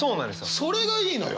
それがいいのよ！